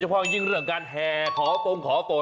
เฉพาะอย่างจริงเรื่องการแห่ขอปลงขอปลน